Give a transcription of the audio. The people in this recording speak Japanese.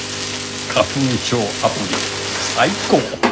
花粉症アプリ最高！